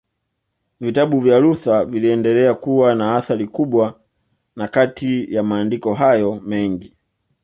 Vitabu vya Luther viliendelea kuwa na athari kubwa na Kati ya maandiko hayo mengi